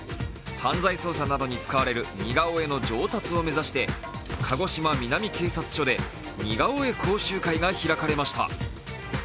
犯罪捜査などに使われる似顔絵の上達を目指して鹿児島南警察署で似顔絵講習会が開かれました。